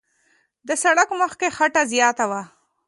د سړک مخ کې خټه زیاته وه.